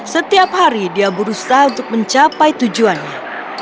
setiap hari dia berusaha untuk mencapai tujuannya